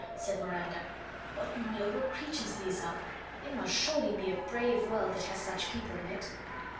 said Miranda, "what noble creatures these are! It must surely be a brave world that has such people in it."